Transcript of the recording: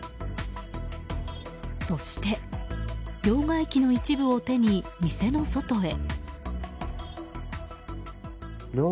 そして両替機の一部を手に店の外へ。